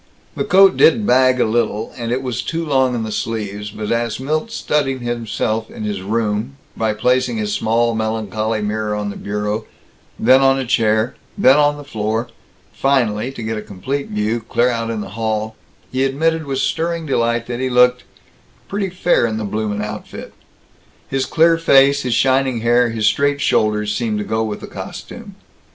The coat did bag a little, and it was too long in the sleeves, but as Milt studied himself in his room by placing his small melancholy mirror on the bureau, then on a chair, then on the floor, finally, to get a complete view, clear out in the hall he admitted with stirring delight that he looked "pretty fair in the bloomin' outfit." His clear face, his shining hair, his straight shoulders, seemed to go with the costume.